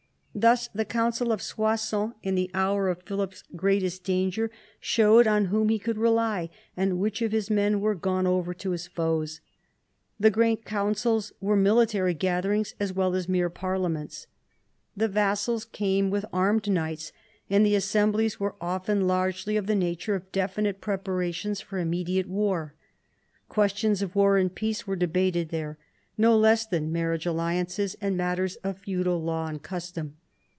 Thus the Council of Soissons in the hour of Philip's greatest danger showed on whom he could rely, and which of his men were gone over to his foes. The great councils were military gatherings as well as mere "parliaments." The vassals came with armed knights, and the assemblies were often largely of the nature of definite preparations for immediate war. Questions of war and peace were debated there, no less than marriage alliances and matters of feudal law and custom.